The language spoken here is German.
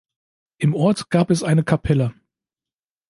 Im Ort gab es eine Kapelle.